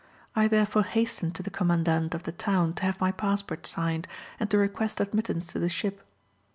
I therefore hastened to the commandant of the town to have my passport signed, and to request admittance to the ship.